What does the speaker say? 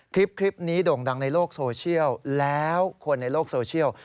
คลิปนี้โด่งดังในโลกโซเชียลแล้วคนในโลกโซเชียล